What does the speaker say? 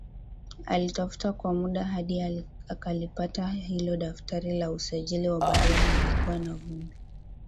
Alitafuta kwa muda hadi akalipata hilo daftari la usajili wa barua lilikuwa na vumbi